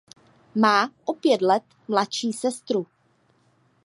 Má o pět let mladší sestru.